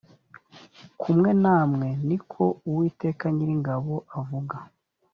kumwe namwe ni ko uwiteka nyiringabo avuga